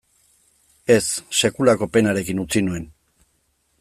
Ez, sekulako penarekin utzi nuen.